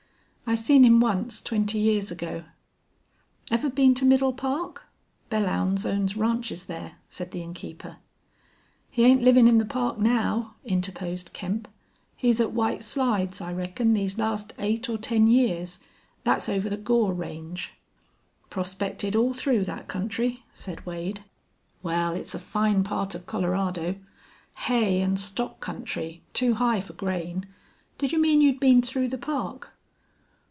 "I seen him once twenty years ago." "Ever been to Middle Park? Belllounds owns ranches there," said the innkeeper. "He ain't livin' in the Park now," interposed Kemp. "He's at White Slides, I reckon, these last eight or ten years. Thet's over the Gore Range." "Prospected all through that country," said Wade. "Wal, it's a fine part of Colorado. Hay an' stock country too high fer grain. Did you mean you'd been through the Park?"